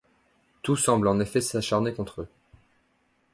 Tout semble, en effet, s'acharner contre eux.